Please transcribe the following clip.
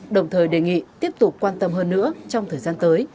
đồng thời đề nghị tiếp tục quan tâm hơn nữa trong thời gian tới